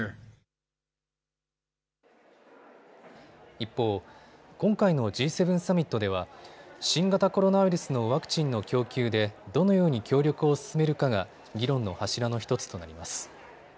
一方、今回のＧ７サミットでは新型コロナウイルスのワクチンの供給でどのように協力を進めるかが議論の柱の１つとなります。